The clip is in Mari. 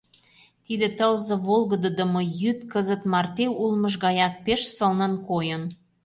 Тиде тылзе волгыдыдымо йӱд кызыт марте улмыж гаяк пеш сылнын койын...